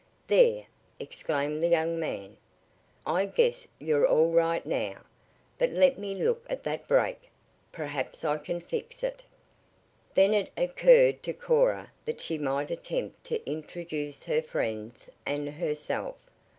"There!" exclaimed the young man. "I guess you're all right now. But let me look at that brake. Perhaps I can fix it." Then it occurred to Cora that she might attempt to introduce her friends and herself.